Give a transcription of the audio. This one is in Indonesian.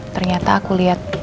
ternyata aku liat